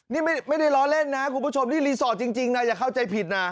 นี่ไม่ได้ล้อเล่นนะคุณผู้ชมนี่รีสอร์ทจริงนะอย่าเข้าใจผิดนะ